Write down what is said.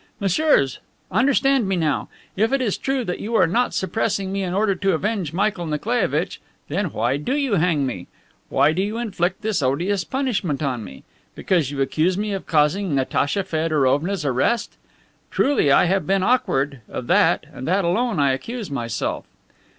"Messieurs, understand me now. If it is true that you are not suppressing me in order to avenge Michael Nikolaievitch, then why do you hang me? Why do you inflict this odious punishment on me? Because you accuse me of causing Natacha Feodorovna's arrest? Truly I have been awkward. Of that, and that alone, I accuse myself."